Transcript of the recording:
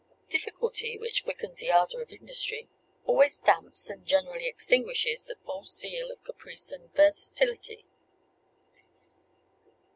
Difficulty, which quickens the ardor of industry, always damps, and generally extinguishes, the false zeal of caprice and versatility.